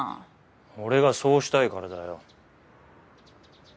俺がそうしたいからだよ。